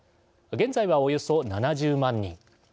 現在は、およそ７０万人。